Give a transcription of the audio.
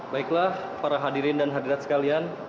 baiklah para hadirin dan hadirat sekalian